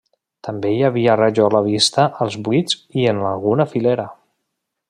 També hi havia rajola vista als buits i en alguna filera.